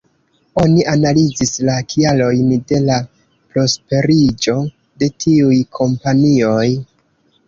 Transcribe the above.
Oni analizis la kialojn de la prosperiĝo de tiuj kompanioj.